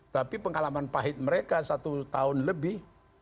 tapi pengalaman pahit mereka satu tahun lebih